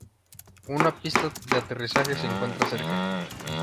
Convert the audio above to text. Una pista de aterrizaje se encuentra cerca.